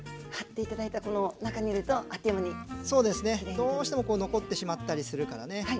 どうしても残ってしまったりするからね。